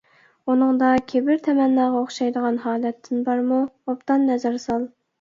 ئۇنىڭدا كىبىر، تەمەنناغا ئوخشايدىغان ھالەتتىن بارمۇ، ئوبدان نەزەر سال.